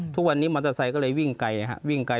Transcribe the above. ทุกวันนี้มอเตอร์ไซค์ก็เลยวิ่งไกล